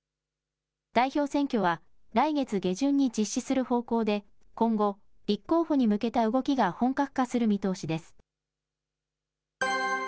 代表選挙は、来月下旬に実施する方向で今後、立候補に向けた動きが本格化する見通しです。